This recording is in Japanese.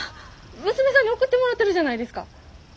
娘さんに送ってもらってるじゃないですか。